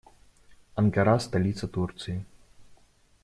Анкара - столица Турции.